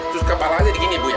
terus kepalanya dikini ibu ya